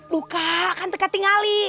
luka kan tegak tinggal